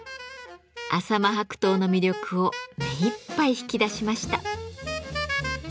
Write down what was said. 浅間白桃の魅力を目いっぱい引き出しました。